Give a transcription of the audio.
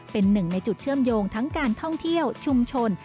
เป็นหนึ่งในจุดเชื่อมโยงทั้งการท่องเที่ยวชุมชน